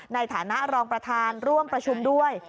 ในฐานะรองประธานร่วมประชุมด้วย